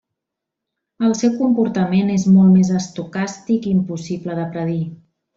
El seu comportament és molt més estocàstic i impossible de predir.